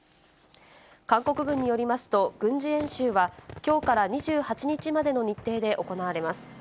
韓国軍によりますと、軍事演習は、きょうから２８日までの日程で行われます。